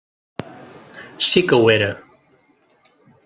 Sí que ho era.